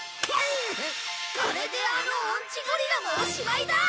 これであの音痴ゴリラもおしまいだ！